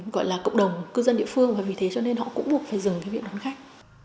gọi là cộng đồng cư dân địa phương và vì thế cho nên họ cũng buộc phải dừng cái việc đón khách